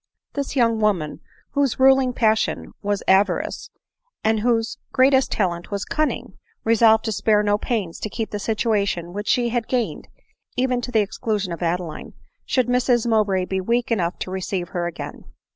This young woman, whose ruling passion was avarice, 388 ADELINE MOWBRAY. and whose greatest talent was cunning, resolved to spare no pains to keep the situation which she had gained, even to the exclusion of Adeline, should Mrs Mowbray be weak enough to receive her again.